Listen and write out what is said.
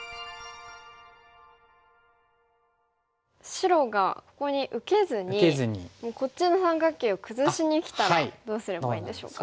白がここに受けずにこっちの三角形を崩しにきたらどうすればいいんでしょうか。